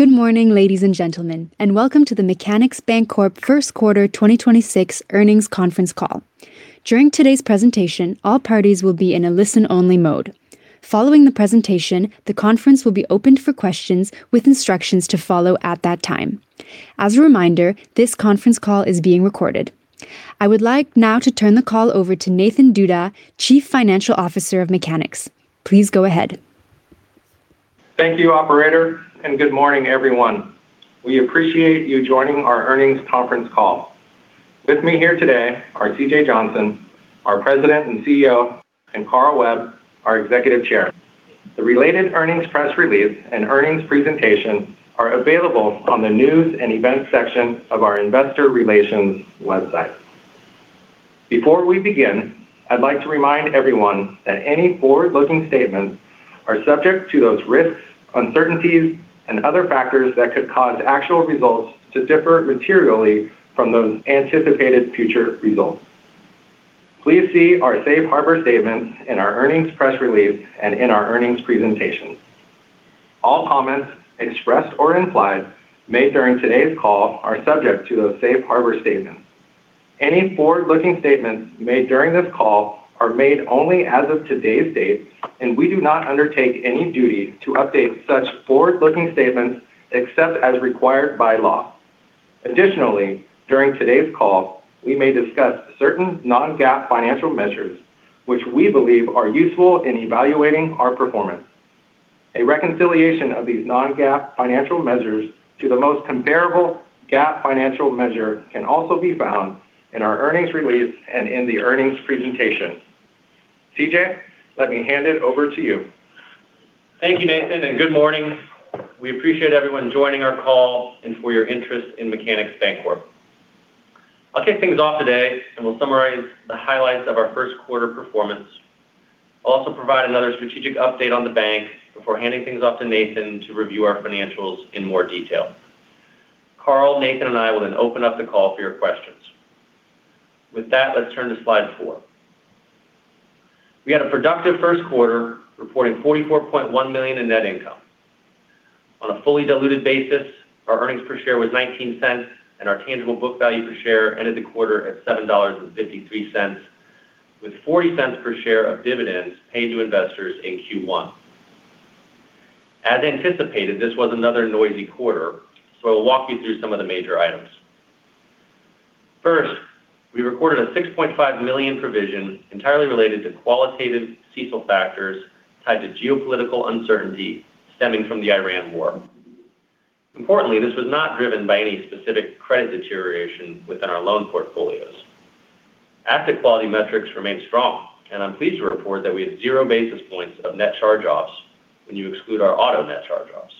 Good morning, ladies and gentlemen, and welcome to the Mechanics Bancorp Q1 2026 earnings conference call. Join todays call and your telephones will be on listen mode only. I would like now to turn the call over to Nathan Duda, Chief Financial Officer of Mechanics. Please go ahead. Thank you, operator, and good morning, everyone. We appreciate you joining our earnings conference call. With me here today are C.J. Johnson, our President and CEO; and Carl Webb, our Executive Chair. The related earnings press release and earnings presentation are available on the News and Events section of our investor relations website. Before we begin, I'd like to remind everyone that any forward-looking statements are subject to those risks, uncertainties, and other factors that could cause actual results to differ materially from those anticipated future results. Please see our safe harbour statements in our earnings press release and in our earnings presentation. All comments expressed or implied made during today's call are subject to those safe harbour statements. Any forward-looking statements made during this call are made only as of today's date, and we do not undertake any duty to update such forward-looking statements except as required by law. Additionally, during today's call, we may discuss certain non-GAAP financial measures which we believe are useful in evaluating our performance. A reconciliation of these non-GAAP financial measures to the most comparable GAAP financial measure can also be found in our earnings release and in the earnings presentation. C.J., let me hand it over to you. Thank you, Nathan, and good morning. We appreciate everyone joining our call and for your interest in Mechanics Bancorp. I'll kick things off today. We'll summarize the highlights of our Q1 performance. I'll also provide another one strategic update on the bank before handing things off to Nathan to review our financials in more detail. Carl, Nathan, and I will then open up the call for your questions. With that, let's turn to slide four. We had a productive Q1, reporting $44.1 million in net income. On a fully diluted basis, our earnings per share was $0.19, and our tangible book value per share ended the quarter at $7.53, with $0.40 per share of dividends paid to investors in Q1. As anticipated, this was another noisy quarter. I'll walk you through some of the major items. First, we recorded a $6.5 million provision entirely related to qualitative CECL factors tied to geopolitical uncertainty stemming from the Ukraine war. Importantly, this was not driven by any specific credit deterioration within our loan portfolios. Asset quality metrics remain strong, and I'm pleased to report that we had zero basis points of net charge-offs when you exclude our auto net charge-offs.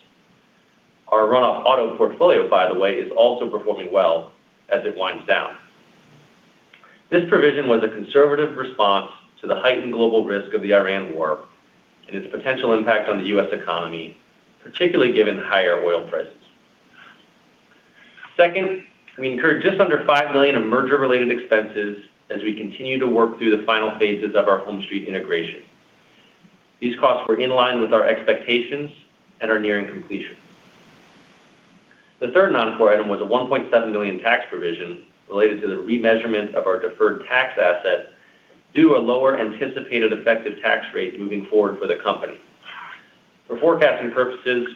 Our runoff auto portfolio, by the way, is also performing well as it winds down. This provision was a conservative response to the heightened global risk of the Iran war and its potential impact on the U.S. economy, particularly given higher oil prices. Second, we incurred just under $5 million in merger-related expenses as we continue to work through the final phases of our HomeStreet integration. These costs were in line with our expectations and are nearing completion. The third non-core item was a $1.7 million tax provision related to the remeasurement of our deferred tax asset due to lower anticipated effective tax rates moving forward for the company. For forecasting purposes,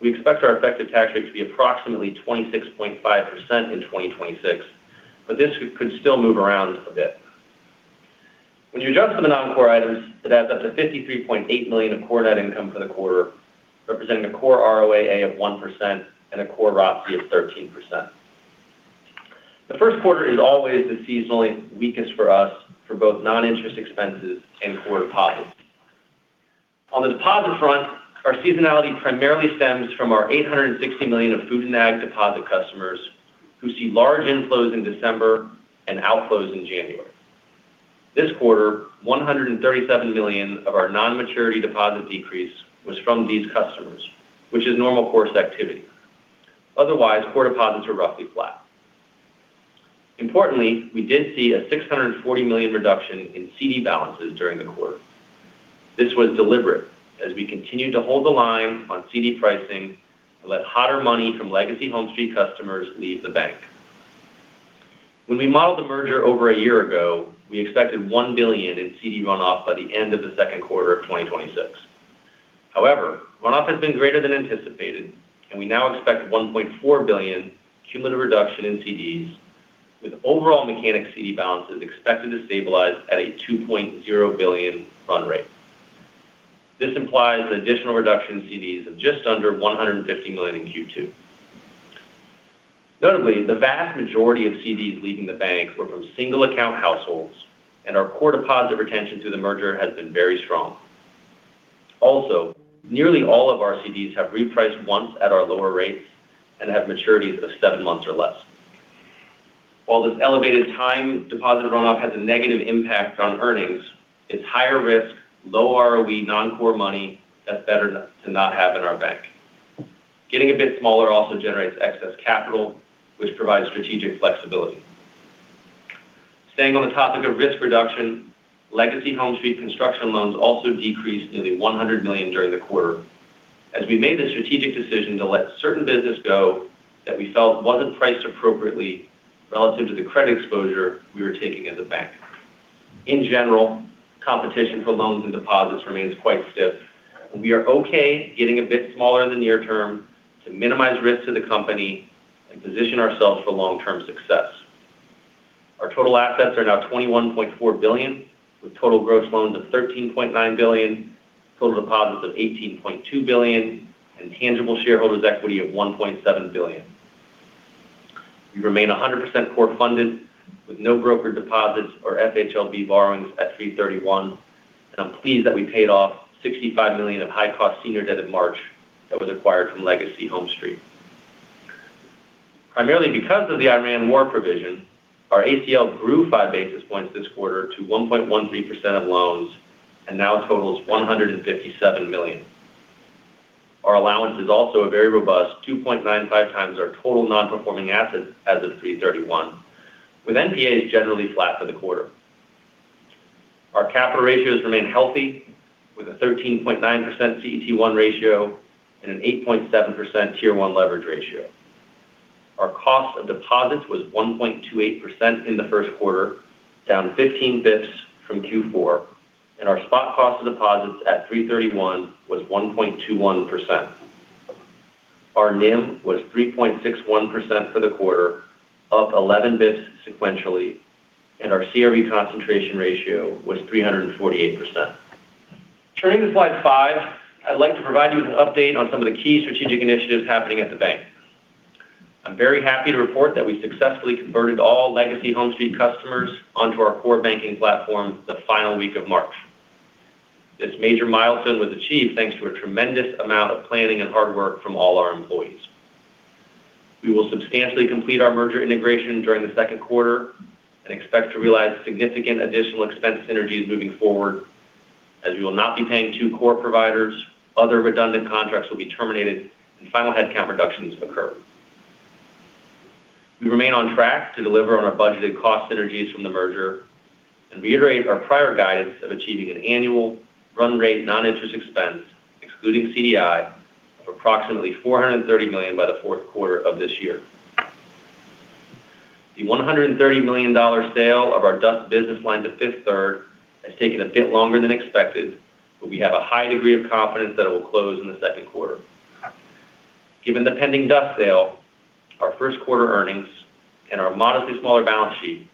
we expect our effective tax rate to be approximately 26.5% in 2026, but this could still move around a bit. When you adjust for the non-core items, it adds up to $53.8 million of core net income for the quarter, representing a core ROAA of 1% and a core ROC of 13%. The Q1 is always the seasonally weakest for us for both non-interest expenses and core deposits. On the deposit front, our seasonality primarily stems from our $860 million of food and ag deposit customers who see large inflows in December and outflows in January. This quarter, $137 million of our non-maturity deposit decrease was from these customers, which is normal course activity. Otherwise, core deposits were roughly flat. Importantly, we did see a $640 million reduction in CD balances during the quarter. This was deliberate as we continued to hold the line on CD pricing to let hotter money from legacy HomeStreet customers leave the bank. When we modeled the merger over a year ago, we expected $1 billion in CD runoff by the end of the Q2 of 2026. However, runoff has been greater than anticipated, and we now expect $1.4 billion cumulative reduction in CDs, with overall Mechanics CD balances expected to stabilize at a $2.0 billion run rate. This implies an additional reduction in CDs of just under $150 million in Q2. Notably, the vast majority of CDs leaving the bank were from single account households, and our core deposit retention through the merger has been very strong. Nearly all of our CDs have repriced once at our lower rates and have maturities of seven months or less. This elevated time deposit runoff has a negative impact on earnings, it's higher risk, low ROE, non-core money that's better to not have in our bank. Getting a bit smaller also generates excess capital, which provides strategic flexibility. Staying on the topic of risk reduction, legacy HomeStreet construction loans also decreased nearly $100 million during the quarter as we made the strategic decision to let certain business go that we felt wasn't priced appropriately relative to the credit exposure we were taking as a bank. In general, competition for loans and deposits remains quite stiff, and we are okay getting a bit smaller in the near term to minimize risk to the company and position ourselves for long-term success. Our total assets are now $21.4 billion, with total gross loans of $13.9 billion, total deposits of $18.2 billion, and tangible shareholders equity of $1.7 billion. We remain 100% core funded with no broker deposits or FHLB borrowings at 3/31, and I'm pleased that we paid off $65 million of high-cost senior debt in March that was acquired from legacy HomeStreet. Primarily because of the Iran war provision, our ACL grew 5 basis points this quarter to 1.13% of loans and now totals $157 million. Our allowance is also a very robust 2.95 times our total non-performing assets as of 3/31, with NPAs generally flat for the quarter. Our capital ratios remain healthy with a 13.9% CET1 ratio and an 8.7% T1 leverage ratio. Our cost of deposits was 1.28% in the Q1, down 15 basis points from Q4, and our spot cost of deposits at 3/31 was 1.21%. Our NIM was 3.61% for the quarter, up 11 basis points sequentially, and our CRE concentration ratio was 348%. Turning to slide five, I'd like to provide you with an update on some of the key strategic initiatives happening at the bank. I'm very happy to report that we successfully converted all legacy HomeStreet customers onto our core banking platform the final week of March. This major milestone was achieved thanks to a tremendous amount of planning and hard work from all our employees. We will substantially complete our merger integration during the Q2 and expect to realize significant additional expense synergies moving forward as we will not be paying two core providers, other redundant contracts will be terminated, and final headcount reductions occur. We remain on track to deliver on our budgeted cost synergies from the merger and reiterate our prior guidance of achieving an annual run rate non-interest expense, excluding ex-CDI, of approximately $430 million by the Q4 of this year. The $130 million sale of our DUS business line to Fifth Third has taken a bit longer than expected, but we have a high degree of confidence that it will close in the Q2. Given the pending DUS sale, our Q1 earnings, and our modestly smaller balance sheet,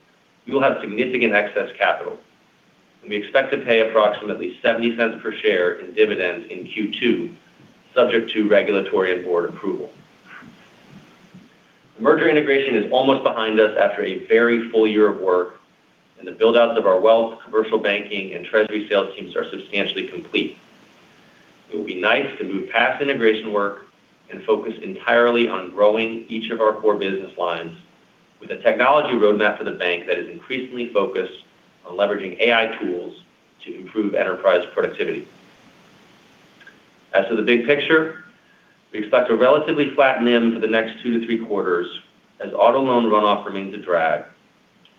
we will have significant excess capital, and we expect to pay approximately $0.70 per share in dividends in Q2, subject to regulatory and board approval. The merger integration is almost behind us after a very full year of work, and the build-outs of our wealth, commercial banking, and treasury sales teams are substantially complete. It will be nice to move past integration work and focus entirely on growing each of our core business lines with a technology roadmap for the bank that is increasingly focused on leveraging AI tools to improve enterprise productivity. As for the big picture, we expect a relatively flat NIM for the next two-three quarters as auto loan runoff remains a drag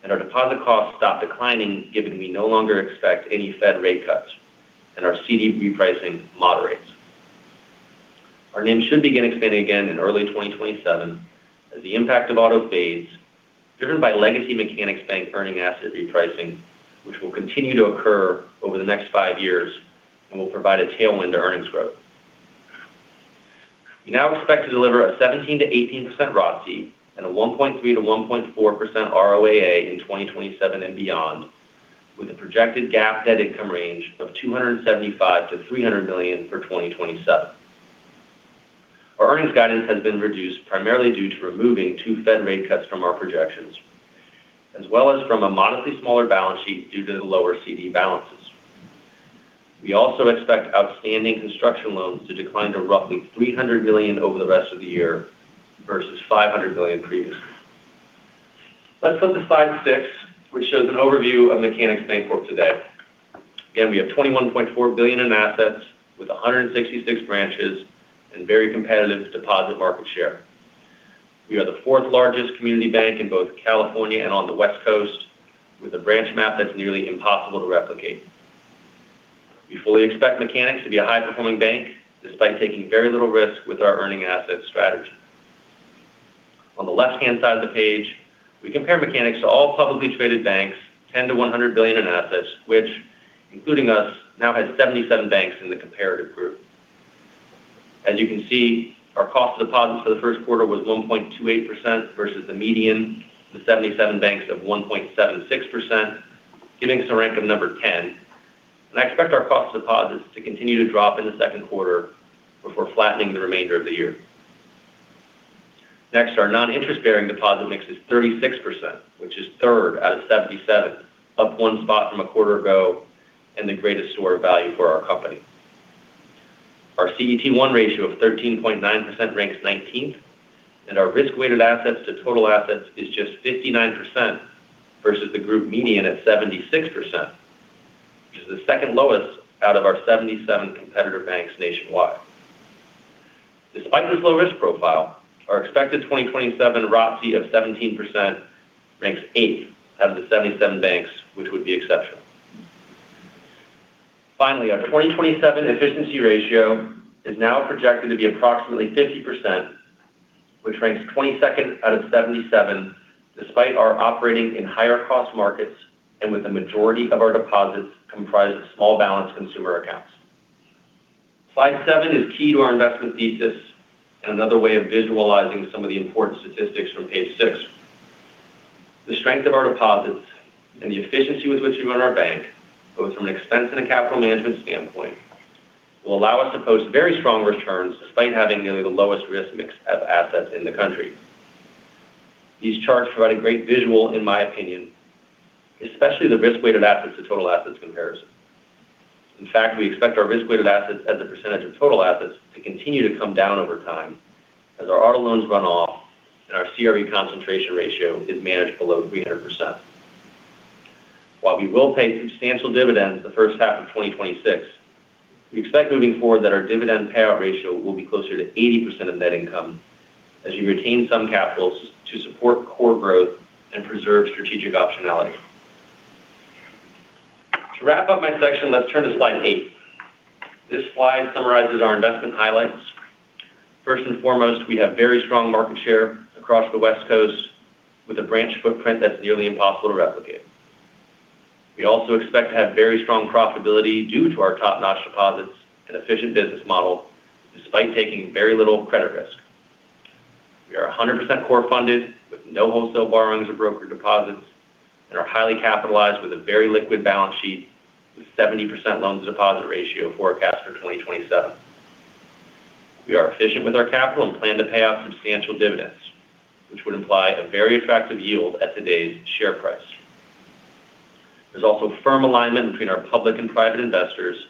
and our deposit costs stop declining given we no longer expect any Fed rate cuts and our CD repricing moderates. Our NIM should begin expanding again in early 2027 as the impact of auto fades, driven by legacy Mechanics Bank earning asset repricing, which will continue to occur over the next five years and will provide a tailwind to earnings growth. We now expect to deliver a 17%-18% ROTCE and a 1.3%-1.4% ROAA in 2027 and beyond, with a projected GAAP net income range of $275 million-$300 million for 2027. Our earnings guidance has been reduced primarily due to removing two Fed rate cuts from our projections, as well as from a modestly smaller balance sheet due to the lower CD balances. We also expect outstanding construction loans to decline to roughly $300 million over the rest of the year versus $500 million previously. Let's go to slide six, which shows an overview of Mechanics Bancorp today. Again, we have $21.4 billion in assets with 166 branches and very competitive deposit market share. We are the fourth largest community bank in both California and on the West Coast, with a branch map that's nearly impossible to replicate. We fully expect Mechanics to be a high-performing bank despite taking very little risk with our earning assets strategy. On the left-hand side of the page, we compare Mechanics to all publicly traded banks, 10 billion-100 billion in assets, which including us now has 77 banks in the comparative group. As you can see, our cost of deposits for the Q1 was 1.28% versus the median, the 77 banks of 1.76%, giving us a rank of number 10. I expect our cost of deposits to continue to drop in the Q2 before flattening the remainder of the year. Next, our non-interest-bearing deposit mix is 36%, which is third out of 77, up one spot from a quarter ago and the greatest store of value for our company. Our CET1 ratio of 13.9% ranks 19th, and our risk-weighted assets to total assets is just 59% versus the group median at 76%, which is the second lowest out of our 77 competitor banks nationwide. Despite this low risk profile, our expected 2027 ROTCE of 17% ranks eighth out of the 77 banks, which would be exceptional. Finally, our 2027 efficiency ratio is now projected to be approximately 50%, which ranks 22nd out of 77, despite our operating in higher cost markets and with the majority of our deposits comprised of small balance consumer accounts. Slide seven is key to our investment thesis and another way of visualizing some of the important statistics from page six. The strength of our deposits and the efficiency with which we run our bank, both from an expense and a capital management standpoint, will allow us to post very strong returns despite having nearly the lowest risk mix of assets in the country. These charts provide a great visual, in my opinion, especially the risk-weighted assets to total assets comparison. In fact, we expect our risk-weighted assets as a percentage of total assets to continue to come down over time as our auto loans run off and our CRE concentration ratio is managed below 300%. While we will pay substantial dividends the H1 of 2026, we expect moving forward that our dividend payout ratio will be closer to 80% of net income as we retain some capitals to support core growth and preserve strategic optionality. To wrap up my section, let's turn to slide eight. This slide summarizes our investment highlights. First and foremost, we have very strong market share across the West Coast with a branch footprint that's nearly impossible to replicate. We also expect to have very strong profitability due to our top-notch deposits and efficient business model despite taking very little credit risk. We are 100% core funded with no wholesale borrowings or broker deposits and are highly capitalized with a very liquid balance sheet with 70% loans deposit ratio forecast for 2027. We are efficient with our capital and plan to pay out substantial dividends, which would imply a very attractive yield at today's share price. There's also firm alignment between our public and private investors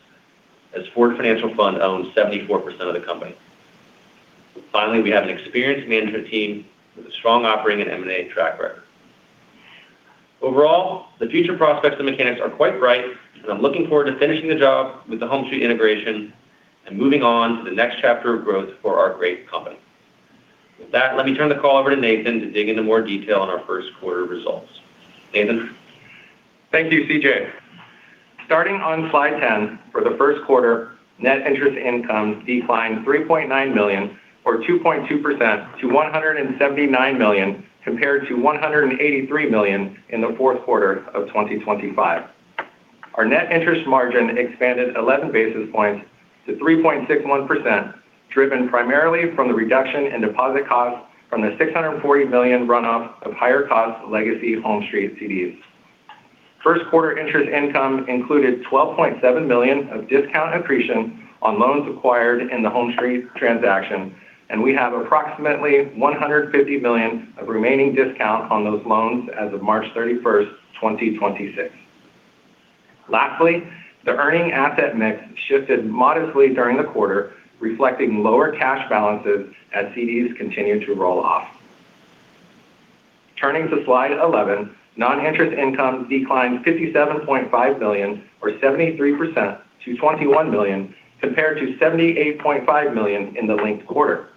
as Ford Financial Fund owns 74% of the company. Finally, we have an experienced management team with a strong operating and M&A track record. Overall, the future prospects and Mechanics are quite bright, and I'm looking forward to finishing the job with the HomeStreet integration and moving on to the next chapter of growth for our great company. With that, let me turn the call over to Nathan to dig into more detail on our Q1 results. Nathan? Thank you, C.J. Starting on slide 10, for the Q1, net interest income declined $3.9 million or 2.2% to $179 million compared to $183 million in the Q4 of 2025. Our net interest margin expanded 11 basis points to 3.61%, driven primarily from the reduction in deposit costs from the $640 million runoff of higher-cost legacy HomeStreet Bank CDs. Q1 interest income included $12.7 million of discount accretion on loans acquired in the HomeStreet Bank transaction. We have approximately $150 million of remaining discount on those loans as of March 31st, 2026. Lastly, the earning asset mix shifted modestly during the quarter, reflecting lower cash balances as CDs continued to roll off. Turning to slide 11, non-interest income declined $57.5 million or 73% to $21 million compared to $78.5 million in the linked quarter.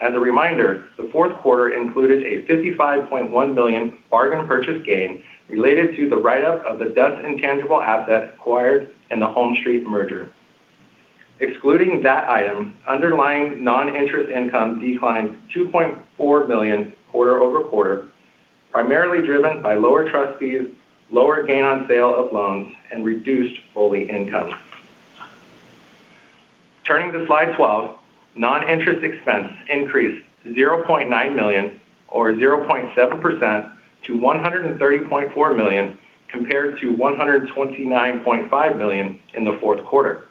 As a reminder, theQ4 included a $55.1 million bargain purchase gain related to the write-up of the DUS intangible asset acquired in the HomeStreet merger. Excluding that item, underlying non-interest income declined $2.4 million quarter-over-quarter, primarily driven by lower trust fees, lower gain on sale of loans and reduced fee income. Turning to slide 12, non-interest expense increased to $0.9 million or 0.7% to $130.4 million compared to $129.5 million in the Q4.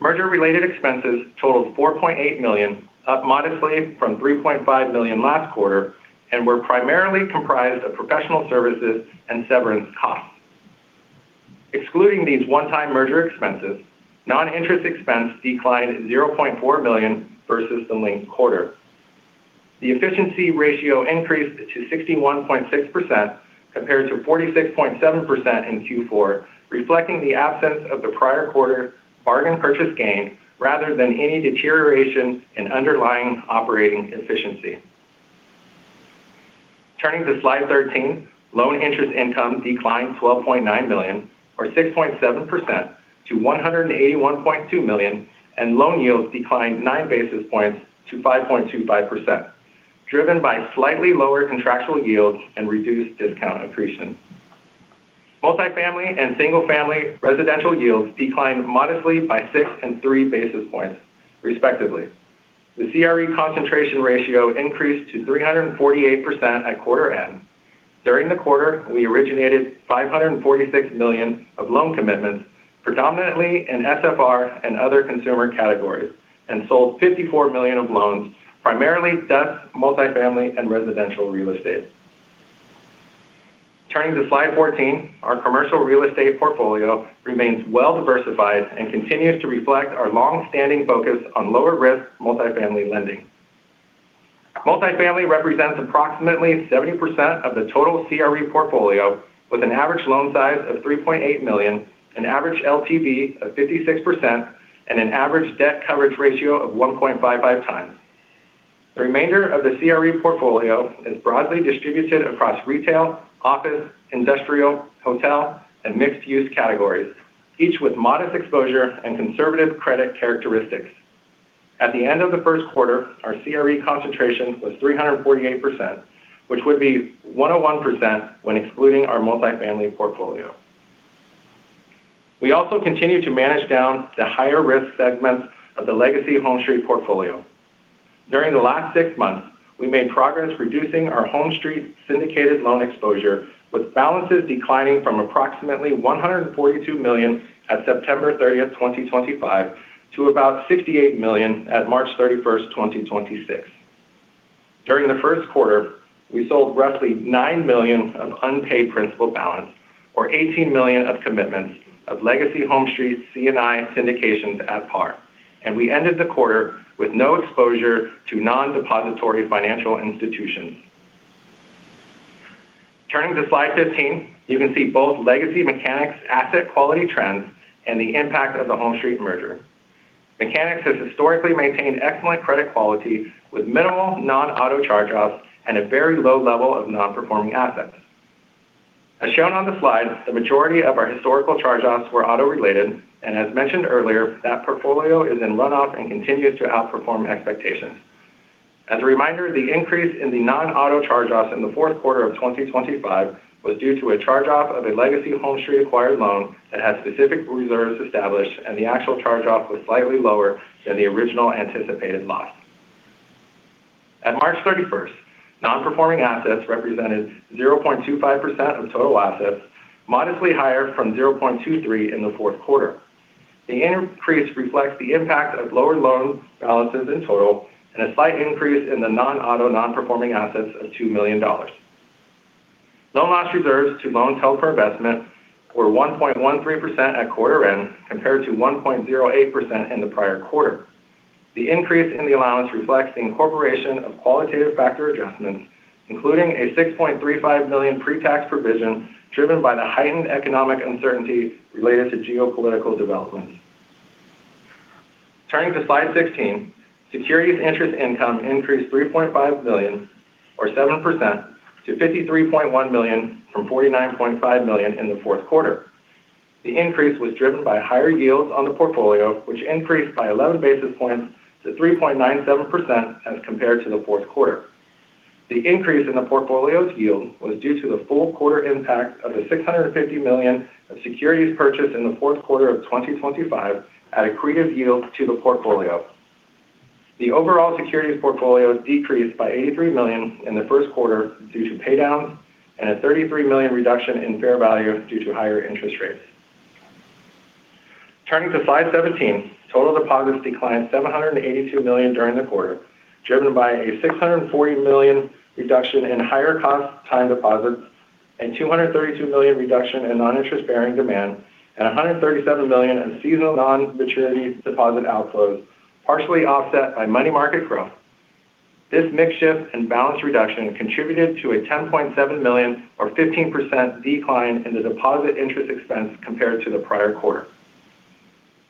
Merger-related expenses totalled $4.8 million, up modestly from $3.5 million last quarter, were primarily comprised of professional services and severance costs. Excluding these one-time merger expenses, non-interest expense declined $0.4 million versus the linked quarter. The efficiency ratio increased to 61.6% compared to 46.7% in Q4, reflecting the absence of the prior quarter bargain purchase gain rather than any deterioration in underlying operating efficiency. Turning to slide 13, loan interest income declined $12.9 million or 6.7% to $181.2 million, and loan yields declined nine basis points to 5.25%, driven by slightly lower contractual yields and reduced discount accretion. Multifamily and single-family residential yields declined modestly by six and three basis points, respectively. The CRE concentration ratio increased to 348% at quarter end. During the quarter, we originated $546 million of loan commitments, predominantly in SFR and other consumer categories, and sold $54 million of loans, primarily debt, multifamily, and residential real estate. Turning to slide 14, our commercial real estate portfolio remains well-diversified and continues to reflect our long-standing focus on lower-risk multifamily lending. Multifamily represents approximately 70% of the total CRE portfolio with an average loan size of $3.8 million, an average LTV of 56%, and an average debt coverage ratio of 1.55x. The remainder of the CRE portfolio is broadly distributed across retail, office, industrial, hotel, and mixed-use categories, each with modest exposure and conservative credit characteristics. At the end of the Q1, our CRE concentration was 348%, which would be 101% when excluding our multifamily portfolio. We also continue to manage down the higher-risk segments of the legacy HomeStreet portfolio. During the last six months, we made progress reducing our HomeStreet syndicated loan exposure with balances declining from approximately $142 million at September 30th, 2025 to about $68 million at March 31st, 2026. During the Q1, we sold roughly $9 million of unpaid principal balance or $18 million of commitments of legacy HomeStreet C&I syndications at par, and we ended the quarter with no exposure to non-depository financial institutions. Turning to slide 15, you can see both legacy Mechanics asset quality trends and the impact of the HomeStreet merger. Mechanics has historically maintained excellent credit quality with minimal non-auto charge-offs and a very low level of Non-Performing Assets. As shown on the slide, the majority of our historical charge-offs were auto-related, and as mentioned earlier, that portfolio is in runoff and continues to outperform expectations. As a reminder, the increase in the non-auto charge-offs in the Q4 of 2025 was due to a charge-off of a legacy HomeStreet-acquired loan that had specific reserves established, and the actual charge-off was slightly lower than the original anticipated loss. At March 31st, non-performing assets represented 0.25% of total assets, modestly higher from 0.23% in the Q4. The increase reflects the impact of lower loan balances in total and a slight increase in the non-auto non-performing assets of $2 million. Loan loss reserves to loans held for investment were 1.13% at quarter end compared to 1.08% in the prior quarter. The increase in the allowance reflects the incorporation of qualitative factor adjustments, including a $6.35 million pre-tax provision driven by the heightened economic uncertainty related to geopolitical developments. Turning to slide 16, securities interest income increased $3.5 million or 7% to $53.1 million from $49.5 million in the Q4. The increase was driven by higher yields on the portfolio, which increased by 11 basis points to 3.97% as compared to theQ4. The increase in the portfolio's yield was due to the full quarter impact of the $650 million of securities purchased in the Q4 of 2025 at accretive yield to the portfolio. The overall securities portfolio decreased by $83 million in the Q1 due to pay down and a $33 million reduction in fair value due to higher interest rates. Turning to slide 17, total deposits declined $782 million during the quarter, driven by a $640 million reduction in higher-cost time deposits and $232 million reduction in non-interest-bearing demand and $137 million in seasonal non-maturity deposit outflows, partially offset by money market growth. This mix shift and balance reduction contributed to a $10.7 million or 15% decline in the deposit interest expense compared to the prior quarter.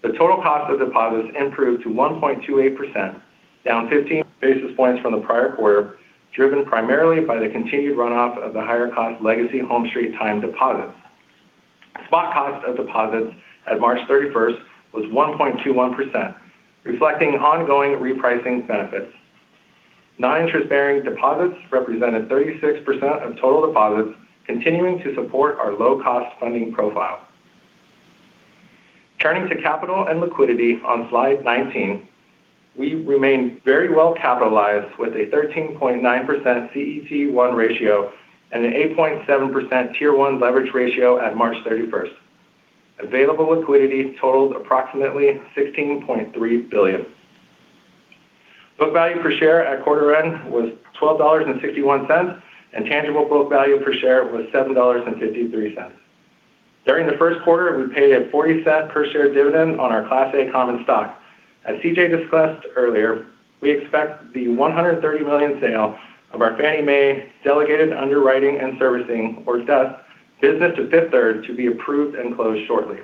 The total cost of deposits improved to 1.28%, down 15 basis points from the prior quarter, driven primarily by the continued runoff of the higher-cost legacy HomeStreet time deposits. Spot cost of deposits at March 31st was 1.21%, reflecting ongoing repricing benefits. Non-interest-bearing deposits represented 36% of total deposits, continuing to support our low-cost funding profile. Turning to capital and liquidity on slide 19, we remain very well capitalized with a 13.9% CET1 ratio and an 8.7% T1 leverage ratio at March 31st. Available liquidity totalled approximately $16.3 billion. Book value per share at quarter end was $12.61, and tangible book value per share was $7.53. During the Q1, we paid a $0.40 per share dividend on our Class A common stock. As C.J. discussed earlier, we expect the $130 million sale of our Fannie Mae Delegated Underwriting and Servicing, or DUS, business to Fifth Third to be approved and closed shortly.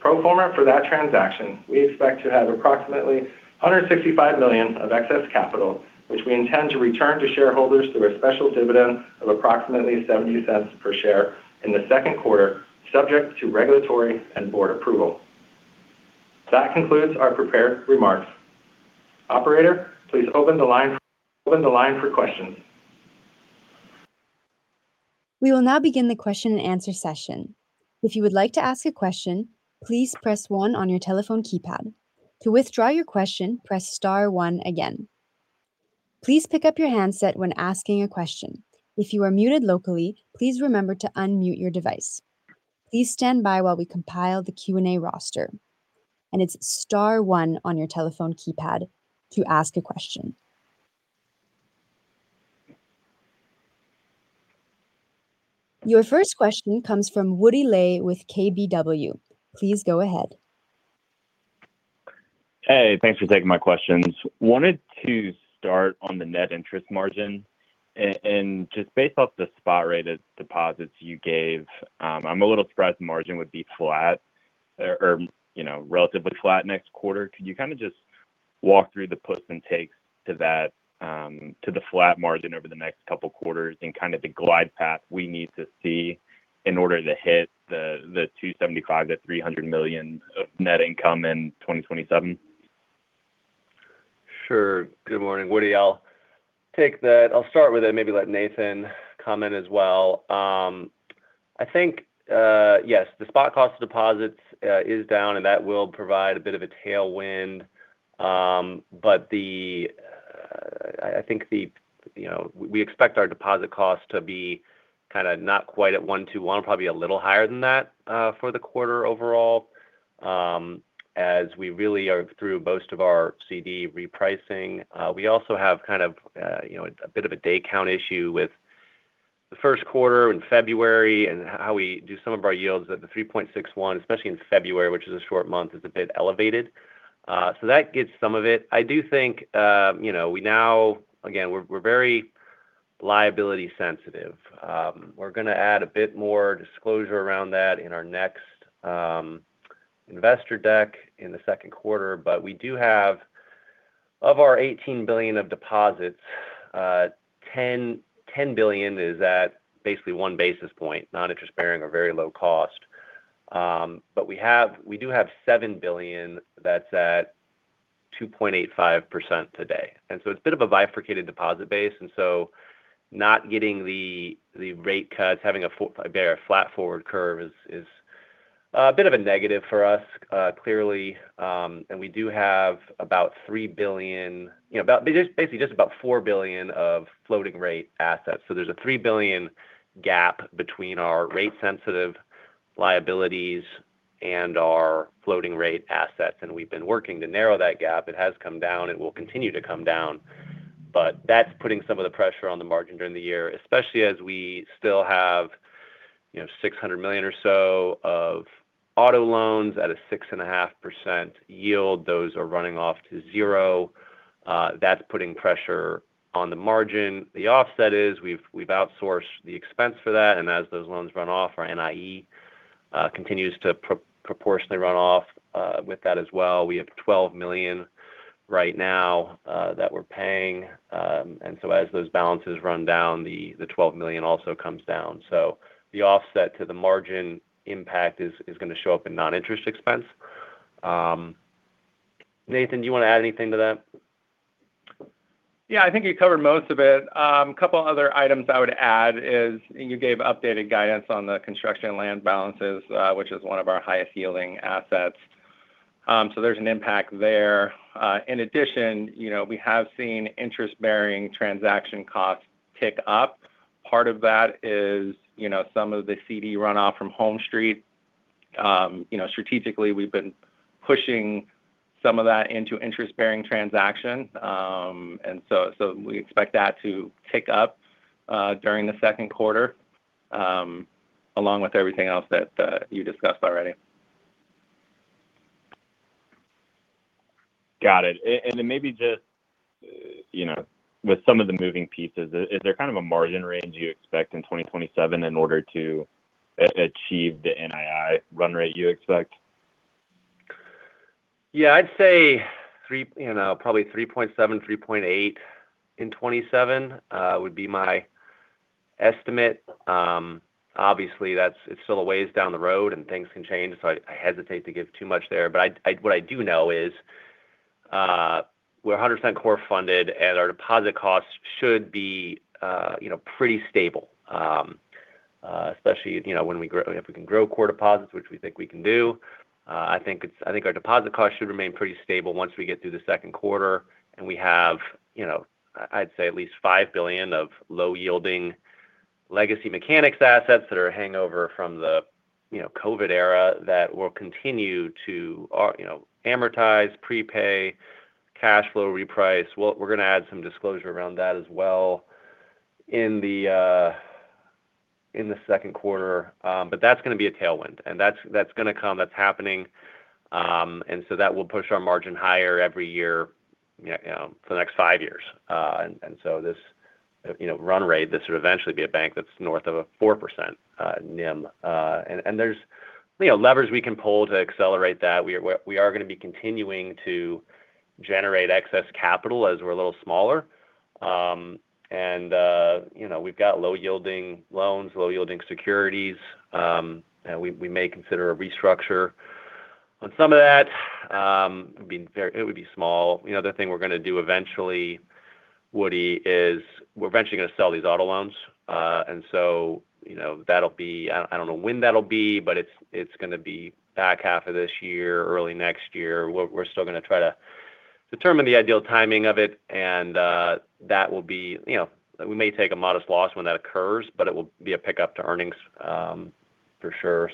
Pro forma for that transaction, we expect to have approximately $165 million of excess capital, which we intend to return to shareholders through a special dividend of approximately $0.70 per share in the Q2, subject to regulatory and board approval. That concludes our prepared remarks. Operator, please open the line for questions. We will now begin the question and answer session. If you would like to ask a question, please press one on your telephone keypad. To withdraw your question, press star one again. Please pick up your handset when asking a question. If you are muted locally, please remember to unmute your device. Please stand by while we compile the Q&A roster. It's star one on your telephone keypad to ask a question. Your first question comes from Woody Lay with KBW. Please go ahead. Hey, thanks for taking my questions. Wanted to start on the net interest margin and just based off the spot rate of deposits you gave, I'm a little surprised the margin would be flat or, you know, relatively flat next quarter. Could you kind of just walk through the puts and takes to that, to the flat margin over the next couple quarters and kind of the glide path we need to see in order to hit the $275 million to $300 million of net income in 2027? Sure. Good morning, Woody Lay. I'll take that. I'll start with it, maybe let Nathan comment as well. I think, yes, the spot cost of deposits is down, and that will provide a bit of a tailwind. The, you know, we expect our deposit cost to be kind of not quite at one-one, probably a little higher than that for the quarter overall, as we really are through most of our CD repricing. We also have kind of, you know, a bit of a day count issue with the Q1 in February and how we do some of our yields at the 3.61, especially in February, which is a short month, is a bit elevated. That gets some of it. I do think, you know, we now, again, we're very liability sensitive. We're going to add a bit more disclosure around that in our next investor deck in the Q2. We do have of our $18 billion of deposits, $10 billion is at basically one basis point, non-interest bearing or very low cost. We do have $7 billion that's at 2.85% today. So it's a bit of a bifurcated deposit base, and so not getting the rate cuts, having a bare flat forward curve is a bit of a negative for us, clearly. We do have about $3 billion, you know, basically just about $4 billion of floating rate assets. There's a $3 billion gap between our rate sensitive liabilities and our floating rate assets, and we've been working to narrow that gap. It has come down. It will continue to come down. That's putting some of the pressure on the margin during the year, especially as we still have, you know, $600 million or so of auto loans at a 6.5% yield. Those are running off to zero. That's putting pressure on the margin. The offset is we've outsourced the expense for that, and as those loans run off, our NIE continues to proportionally run off with that as well. We have $12 million right now that we're paying. As those balances run down, the $12 million also comes down. The offset to the margin impact is going to show up in non-interest expense. Nathan, do you want to add anything to that? Yeah, I think you covered most of it. Couple other items I would add is you gave updated guidance on the construction and land balances, which is one of our highest yielding assets. There's an impact there. In addition, you know, we have seen interest bearing transaction costs tick up. Part of that is, you know, some of the CD runoff from HomeStreet. You know, strategically, we've been pushing some of that into interest bearing transaction. We expect that to tick up during the Q2 along with everything else that you discussed already. Got it. Maybe just, you know, with some of the moving pieces, is there kind of a margin range you expect in 2027 in order to achieve the NII run rate you expect? Yeah, I'd say three, probably 3.7, 3.8 in 2027 would be my estimate. Obviously, it's still a ways down the road and things can change. I hesitate to give too much there. I, what I do know is, we're 100% core funded, and our deposit costs should be pretty stable. Especially when we grow, if we can grow core deposits, which we think we can do. I think our deposit cost should remain pretty stable once we get through the Q2. We have, I'd say at least $5 billion of low yielding legacy Mechanics assets that are hangover from the COVID era that will continue to amortize, prepay, cash flow reprice. We're going to add some disclosure around that as well in the Q2. That's going to be a tailwind, and that's going to come. That's happening. That will push our margin higher every year, you know, for the next five years. This, you know, run rate, this would eventually be a bank that's north of a 4% NIM. There's, you know, levers we can pull to accelerate that. We are going to be continuing to generate excess capital as we're a little smaller. You know, we've got low yielding loans, low yielding securities, and we may consider a restructure on some of that. It would be small. You know, the thing we're going to do eventually, Woody Lay, is we're eventually going to sell these auto loans. You know, I don't know when that'll be, but it's going to be back half of this year, early next year. We're still going to try to determine the ideal timing of it and that will be, you know, we may take a modest loss when that occurs, but it will be a pickup to earnings, for sure.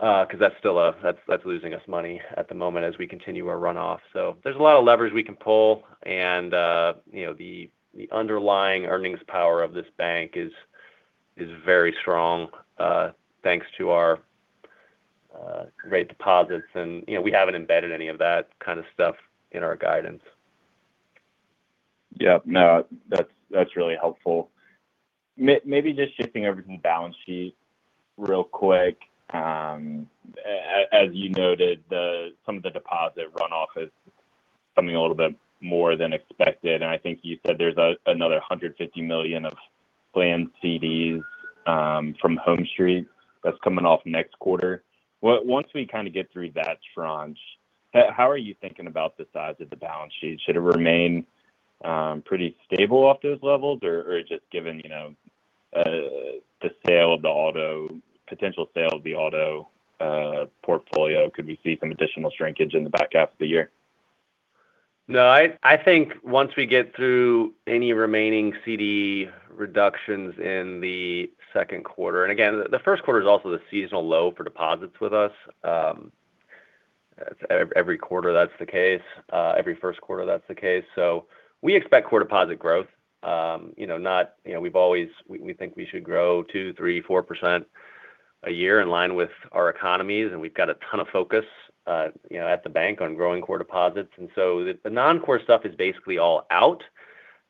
'Cause that's still losing us money at the moment as we continue our runoff. There's a lot of levers we can pull and, you know, the underlying earnings power of this bank is very strong, thanks to our great deposits. You know, we haven't embedded any of that kind of stuff in our guidance. Yep, no, that's really helpful. Maybe just shifting over to the balance sheet real quick. As you noted, some of the deposit runoff is coming a little bit more than expected, and I think you said there's another $150 million of planned CDs from HomeStreet that's coming off next quarter. Once we kind of get through that tranche, how are you thinking about the size of the balance sheet? Should it remain pretty stable off those levels? Just given, you know, the sale of the auto potential sale of the auto portfolio, could we see some additional shrinkage in the back half of the year? No, I think once we get through any remaining CD reductions in the Q2. Again, the Q1 is also the seasonal low for deposits with us. Every quarter that's the case. Every Q1 that's the case. We expect core deposit growth. You know, not, you know, we've always, we think we should grow 2, 3, 4% a year in line with our economies, and we've got a ton of focus, you know, at the bank on growing core deposits. The non-core stuff is basically all out.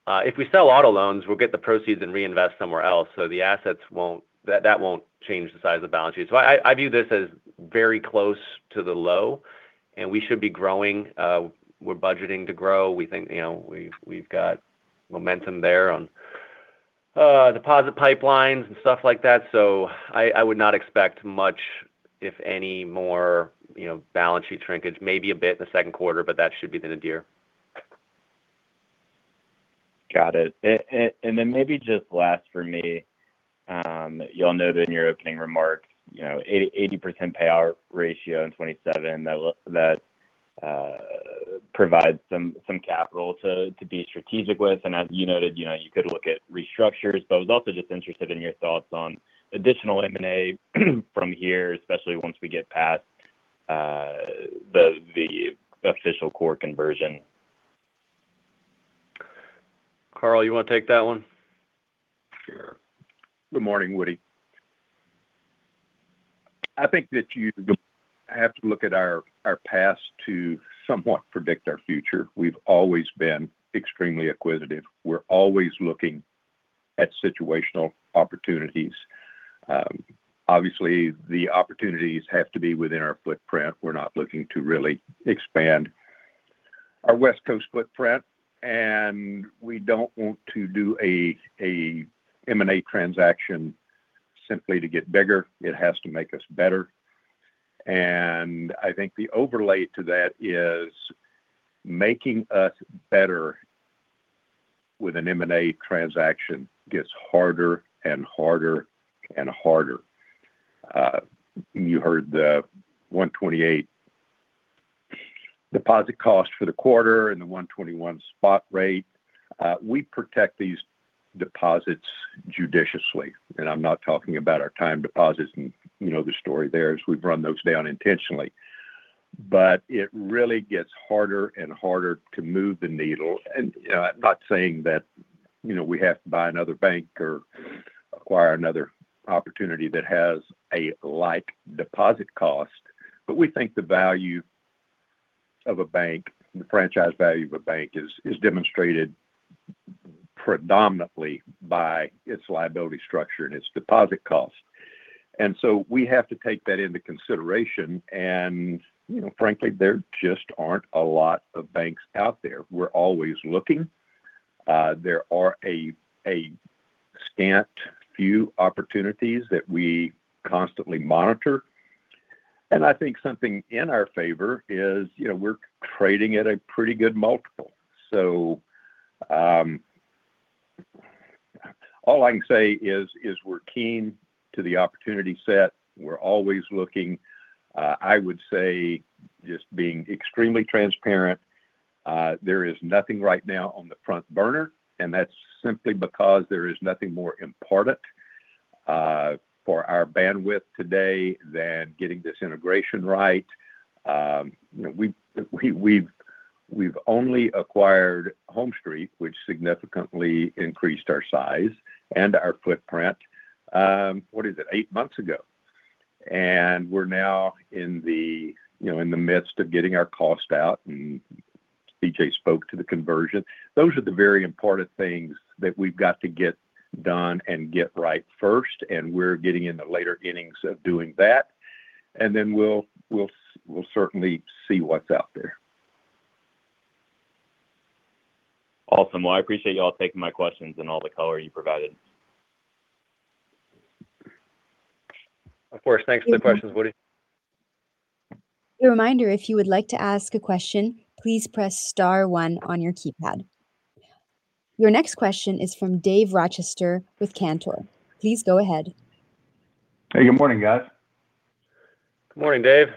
If we sell auto loans, we'll get the proceeds and reinvest somewhere else, the assets won't, that won't change the size of the balance sheet. I view this as very close to the low, and we should be growing. We're budgeting to grow. We think, you know, we've got momentum there on deposit pipelines and stuff like that. I would not expect much, if any more, you know, balance sheet shrinkage. Maybe a bit in the Q2, but that should be the nadir. Got it. Then maybe just last for me, y'all noted in your opening remarks, you know, 80% payout ratio in 2027. That provides some capital to be strategic with. As you noted, you know, you could look at restructures, but I was also just interested in your thoughts on additional M&A from here, especially once we get past the official core conversion. Carl, you want to take that one? Sure. Good morning, Woody Lay. I think that you have to look at our past to somewhat predict our future. We've always been extremely acquisitive. We're always looking at situational opportunities. Obviously, the opportunities have to be within our footprint. We're not looking to really expand our West Coast footprint, and we don't want to do a M&A transaction simply to get bigger. It has to make us better. I think the overlay to that is making us better with an M&A transaction gets harder and harder and harder. You heard the 128 deposit cost for the quarter and the 121 spot rate. We protect these deposits judiciously, and I'm not talking about our time deposits and, you know, the story there, as we've run those down intentionally. It really gets harder and harder to move the needle. You know, not saying that, you know, we have to buy another bank or acquire another opportunity that has a like deposit cost. We think the value of a bank, the franchise value of a bank is demonstrated predominantly by its liability structure and its deposit cost. We have to take that into consideration. You know, frankly, there just aren't a lot of banks out there. We're always looking. There are a scant few opportunities that we constantly monitor. I think something in our favour is, you know, we're trading at a pretty good multiple. All I can say is we're keen to the opportunity set. We're always looking. I would say, just being extremely transparent, there is nothing right now on the front burner, and that's simply because there is nothing more important, for our bandwidth today than getting this integration right. You know, we've only acquired HomeStreet Bank, which significantly increased our size and our footprint, what is it? Eight months ago. We're now in the, you know, in the midst of getting our cost out, and C.J. Johnson spoke to the conversion. Those are the very important things that we've got to get done and get right first, and we're getting in the later innings of doing that. Then we'll certainly see what's out there. Awesome. Well, I appreciate y'all taking my questions and all the color you provided. Of course. Thanks for the questions, Woody. A reminder, if you would like to ask a question, please press star one on your keypad. Your next question is from Dave Rochester with Cantor Fitzgerald. Please go ahead. Hey, good morning, guys. Good morning, Dave.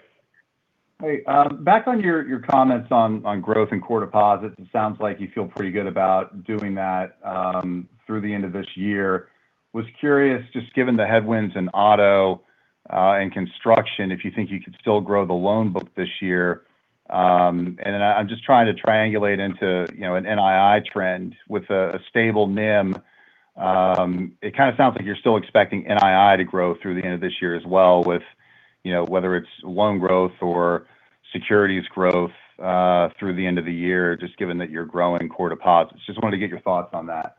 Hey, back on your comments on growth and core deposits. It sounds like you feel pretty good about doing that through the end of this year. Was curious, just given the headwinds in auto and construction, if you think you could still grow the loan book this year. Then I'm just trying to triangulate into, you know, an NII trend with a stable NIM. It kind of sounds like you're still expecting NII to grow through the end of this year as well with, you know, whether it's loan growth or securities growth through the end of the year, just given that you're growing core deposits. Just wanted to get your thoughts on that.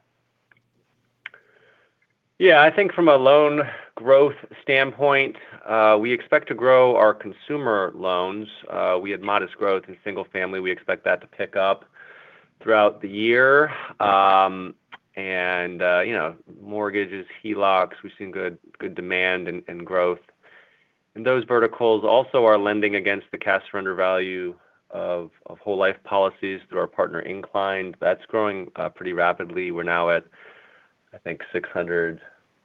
Yeah. I think from a loan growth standpoint, we expect to grow our consumer loans. We had modest growth in single family. We expect that to pick up throughout the year. You know, mortgages, HELOCs, we've seen good demand and growth. In those verticals also are lending against the cash surrender value of whole life policies through our partner Inclined. That's growing pretty rapidly. We're now at, I think, $600+,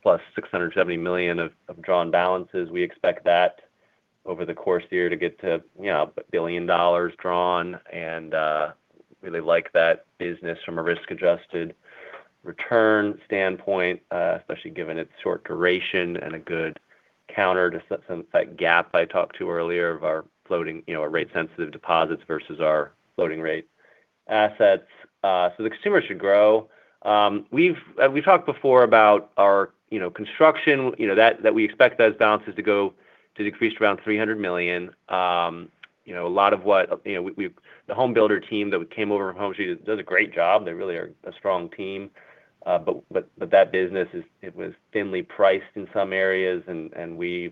$670 million of drawn balances. We expect that over the course of the year to get to, you know, $1 billion drawn, really like that business from a risk-adjusted return standpoint, especially given its short duration and a good counter to that gap I talked to earlier of our floating, you know, our rate-sensitive deposits versus our floating rate assets. The consumer should grow. We've talked before about our, you know, construction. You know, that we expect those balances to go, to decrease to around $300 million. You know, a lot of what, you know, we, the home builder team that came over from HomeStreet Bank does a great job. They really are a strong team. That business is, it was thinly priced in some areas and we're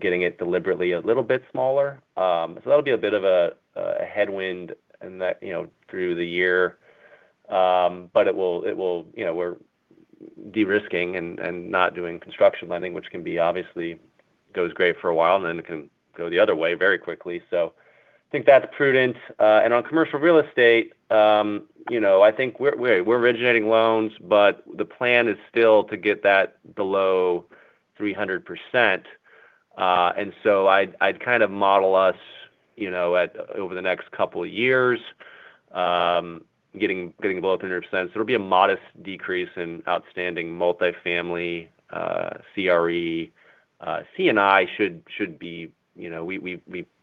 getting it deliberately a little bit smaller. That'll be a bit of a headwind in that, you know, through the year. It will, you know, we're de-risking and not doing construction lending, which can be obviously goes great for a while and then it can go the other way very quickly. I think that's prudent. On commercial real estate, you know, I think we're originating loans, but the plan is still to get that below 300%. I'd kind of model us, you know, at, over the next couple of years, getting below 100%. It'll be a modest decrease in outstanding multifamily CRE. C&I should be, you know, we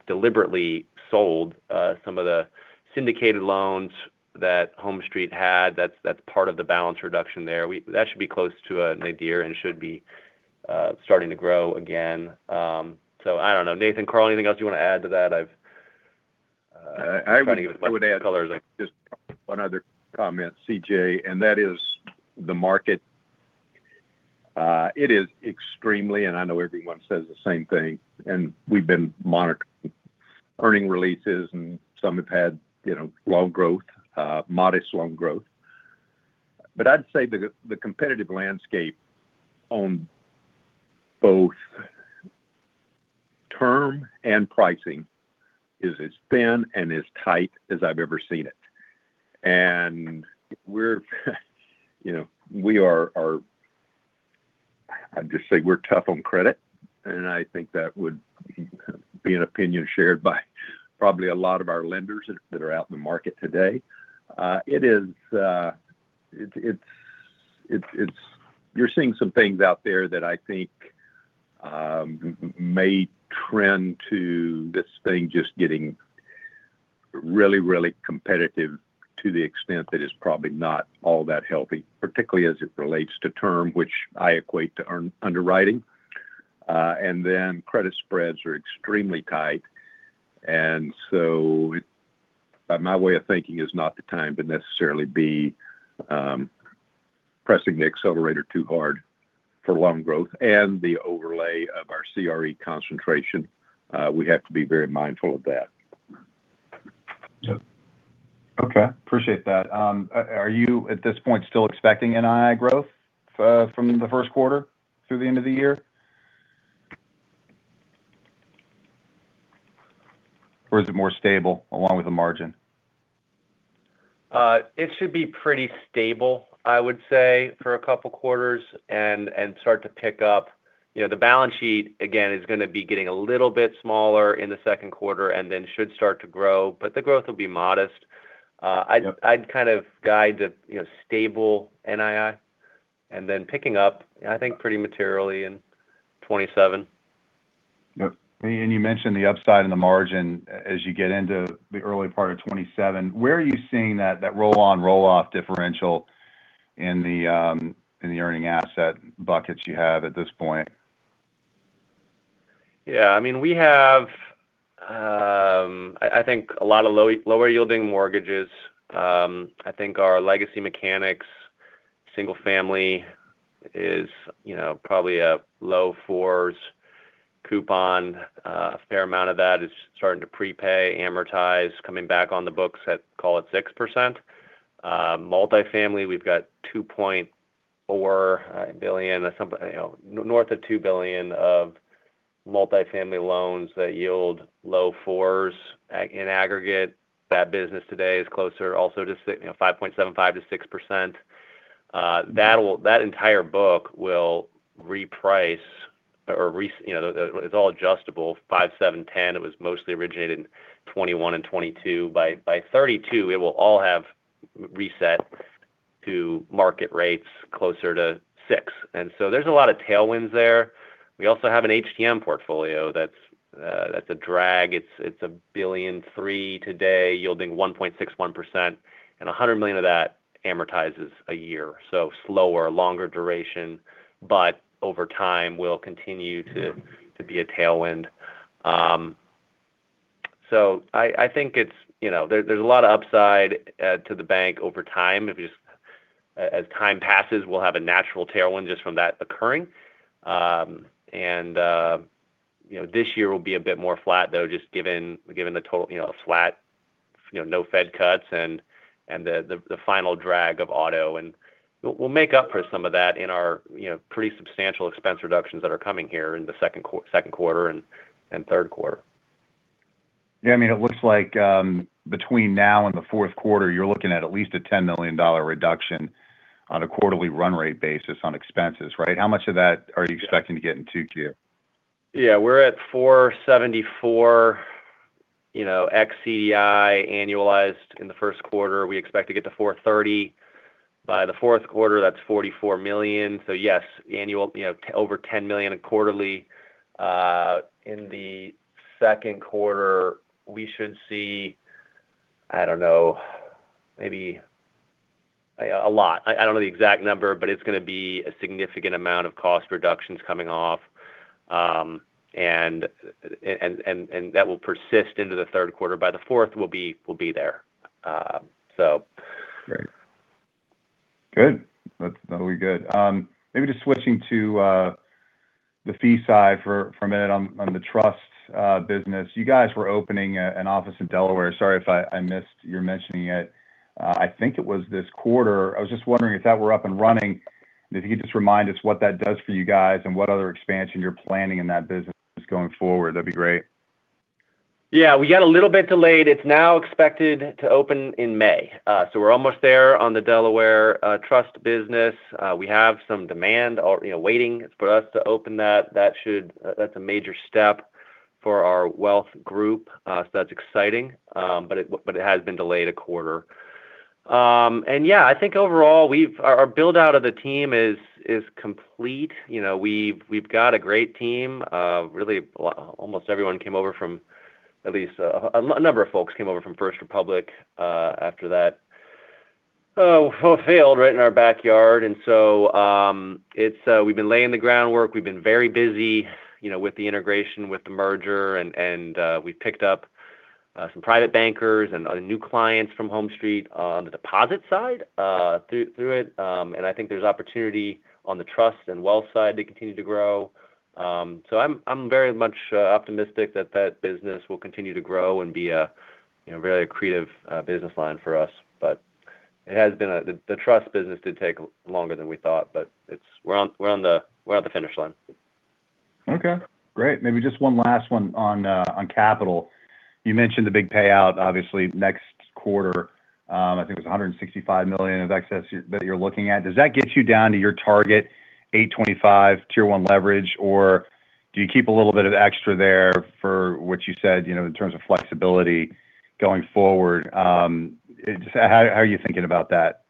deliberately sold some of the syndicated loans that HomeStreet had. That's part of the balance reduction there. That should be close to a near zero and should be starting to grow again. I don't know. Nathan, Carl, anything else you want to add to that? I would add just one other comment, C.J. and that is the market. It is extremely, and I know everyone says the same thing, and we've been monitoring earnings releases and some have had, you know, loan growth, modest loan growth. I'd say the competitive landscape on both term and pricing is as thin and as tight as I've ever seen it. We're you know, I'd just say we're tough on credit, and I think that would be an opinion shared by probably a lot of our lenders that are out in the market today. You're seeing some things out there that I think may trend to this thing just getting really, really competitive to the extent that it's probably not all that healthy, particularly as it relates to term, which I equate to our underwriting. Credit spreads are extremely tight. My way of thinking is not the time to necessarily be pressing the accelerator too hard for loan growth and the overlay of our CRE concentration. We have to be very mindful of that. Okay. Appreciate that. Are you at this point still expecting NII growth from the Q1 through the end of the year? Or is it more stable along with the margin? It should be pretty stable, I would say, for a couple quarters and start to pick up. You know, the balance sheet, again, is going to be getting a little bit smaller in the Q2 and then should start to grow, but the growth will be modest. I'd kind of guide to, you know, stable NII and then picking up, I think, pretty materially in 2027. You mentioned the upside in the margin as you get into the early part of 2027. Where are you seeing that roll-on, roll-off differential in the in the earning asset buckets you have at this point? Yeah, I mean, we have, I think a lot of lower-yielding mortgages. I think our legacy Mechanics single family is, you know, probably a low four's coupon. A fair amount of that is starting to prepay, amortize, coming back on the books at, call it 6%. Multifamily, we've got $2.4 billion or something, you know, north of $2 billion of multifamily loans that yield low four's. In aggregate, that business today is closer also to 6, you know, 5.75%-6%. That entire book will reprice or, you know, it's all adjustable. five, seven, ten, it was mostly originated in 2021 and 2022. By 2032 it will all have reset to market rates closer to six. There's a lot of tailwinds there. We also have an HTM portfolio that's a drag. It's a $1.3 billion today yielding 1.61%, and $100 million of that amortizes a year. Slower, longer duration, but over time will continue to.... to be a tailwind. I think it's, you know, there's a lot of upside to the bank over time. If you just as time passes, we'll have a natural tailwind just from that occurring. This year will be a bit more flat though, just given the total, you know, flat, you know, no Fed cuts and the, the final drag of auto. We'll make up for some of that in our, you know, pretty substantial expense reductions that are coming here in the Q2 and Q3. Yeah, I mean, it looks like, between now and the Q4, you're looking at at least a $10 million reduction on a quarterly run rate basis on expenses, right? How much of that are you expecting to get in 2Q? We're at 474, you know, ex-CDI annualized in the Q1. We expect to get to 430 by the Q4, that's $44 million. Yes, annual, you know, over $10 million in quarterly. In the Q2 we should see, I don't know, maybe a lot. I don't know the exact number, but it's going to be a significant amount of cost reductions coming off. And that will persist into the Q3. By the fourth we'll be there. Great. Good. That's totally good. Maybe just switching to the fee side for a minute on the trust business. You guys were opening an office in Delaware. Sorry if I missed you mentioning it. I think it was this quarter. I was just wondering if that were up and running, and if you could just remind us what that does for you guys and what other expansion you're planning in that business going forward, that'd be great? Yeah. We got a little bit delayed. It's now expected to open in May. We're almost there on the Delaware trust business. We have some demand or, you know, waiting for us to open that. That's a major step for our wealth group. That's exciting. It has been delayed a quarter. Yeah, I think overall our build-out of the team is complete. You know, we've got a great team. Really almost everyone came over from at least a number of folks came over from First Republic after that failed right in our backyard. It's we've been laying the groundwork. We've been very busy, you know, with the integration, with the merger and we've picked up some private bankers and new clients from HomeStreet on the deposit side through it. I think there's opportunity on the trust and wealth side to continue to grow. I'm very much optimistic that that business will continue to grow and be a, you know, very accretive business line for us. It has been the trust business did take longer than we thought, it's we're on the finish line. Okay. Great. Maybe just one last one on capital. You mentioned the big payout, obviously next quarter. I think it was $165 million of excess that you're looking at. Does that get you down to your target 8.25 Tier 1 leverage, or do you keep a little bit of extra there for what you said, you know, in terms of flexibility going forward? Just how are you thinking about that?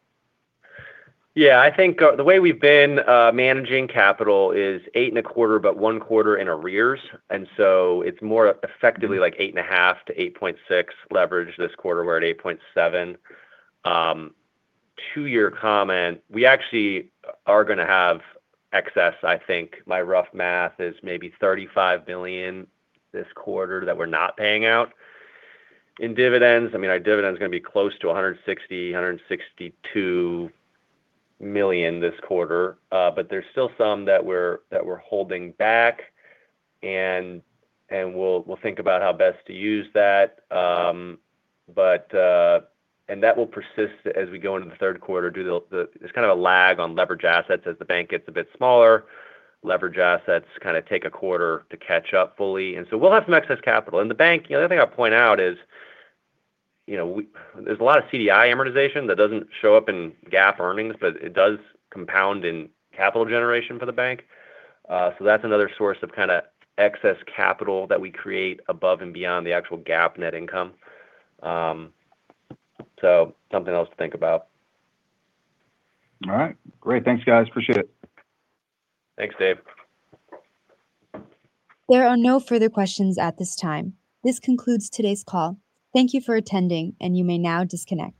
Yeah. I think, the way we've been, managing capital is 8.25, but one quarter in arrears. It's more effectively like 8.5-8.6 leverage this quarter. We're at 8.7. To your comment, we actually are going to have excess. I think my rough math is maybe $35 million this quarter that we're not paying out in dividends. I mean, our dividend's going to be close to $160 million, $162 million this quarter. There's still some that we're holding back and we'll think about how best to use that. That will persist as we go into the Q3` due to a lag on leverage assets as the bank gets a bit smaller. Leverage assets kind of take a quarter to catch up fully, and so we'll have some excess capital. The bank, the other thing I'll point out is, you know, there's a lot of CDI amortization that doesn't show up in GAAP earnings, but it does compound in capital generation for the bank. That's another source of kind of excess capital that we create above and beyond the actual GAAP net income. Something else to think about. All right. Great. Thanks guys. Appreciate it. Thanks, Dave. There are no further questions at this time. This concludes today's call. Thank you for attending, and you may now disconnect.